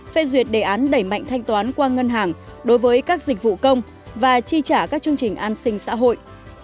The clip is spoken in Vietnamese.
phê duyệt đề án đẩy mạnh thanh toán qua ngân hàng đối với các dịch vụ công và chi trả các chương trình an sinh xã hội